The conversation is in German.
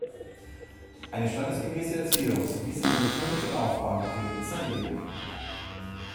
Eine standesgemäße Erziehung sowie seine militärische Laufbahn prägten sein Leben.